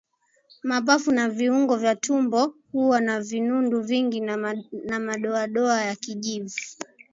Mapafu na viungo vya tumboni huwa na vinundu vingi na madoadoa ya kijivu